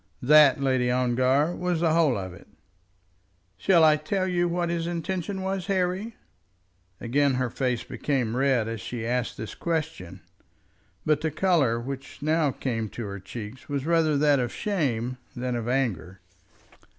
That, Lady Ongar, was the whole of it." "Shall I tell you what his intention was, Harry?" Again her face became red as she asked this question; but the colour which now came to her cheeks was rather that of shame than of anger.